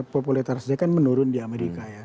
popularitasnya kan menurun di amerika ya